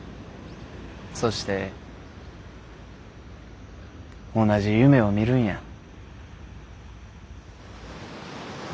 そして同じ夢を見るんや。